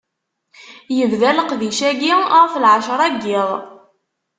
Yebda leqdic-agi ɣef lɛecra n yiḍ.